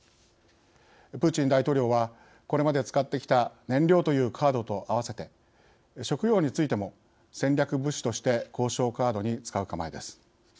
プーチン大統領はこれまで使ってきた燃料というカードと併せて食糧についても戦略物資として交渉カードに使う構えです。